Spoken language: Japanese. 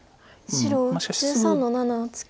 白１３の七ツケ。